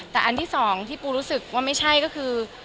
แต่อันที่สองที่ปูรู้สึกว่าไม่ใช่ก็คือ